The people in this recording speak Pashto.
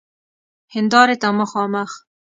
هیندارې ته مخامخ